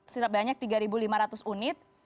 sebanyak tiga lima ratus unit